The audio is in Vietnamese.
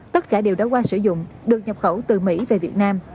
tất cả đều đã qua sử dụng được nhập khẩu từ mỹ về việt nam